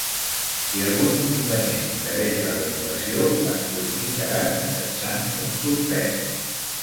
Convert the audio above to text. Si algun inconvenient impedeix la renovació, es comunicarà mitjançant un suspens.